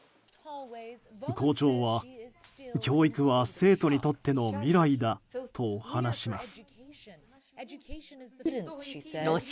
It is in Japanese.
校長は、教育は生徒にとっての未来だと話します。